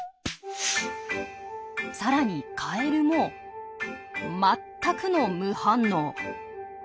さらにカエルも全くの無反応！